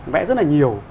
vẽ rất là nhiều